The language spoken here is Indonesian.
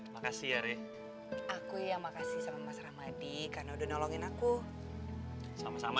makasih ya re aku ya makasih sama mas ramadi karena udah nolongin aku sama sama